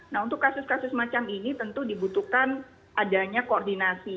nah untuk kasus kasus macam ini tentu dibutuhkan adanya koordinasi